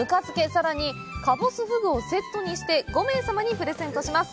さらにかぼすフグをセットにして５名様にプレゼントします